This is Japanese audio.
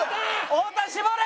太田絞れ！